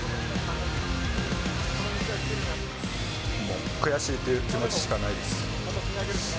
もう、悔しいという気持ちしかないです。